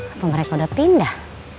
apa mereka udah pindah